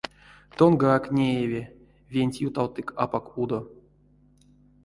Тонгак, неяви, венть ютавтык апак удо.